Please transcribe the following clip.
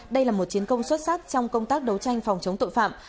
đây là một chiến công xuất sắc trong công tác đấu tranh phòng chống tội phạm